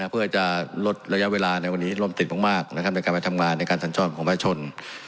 เพื่อจะลดระยะเวลาในวันนี้ลมติดมากในการไปทำงานในการสัญจรของประชาชน